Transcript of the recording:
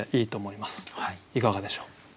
いかがでしょう？